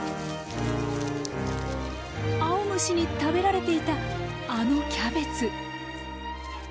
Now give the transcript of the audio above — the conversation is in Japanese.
アオムシに食べられていたあのキャベツ。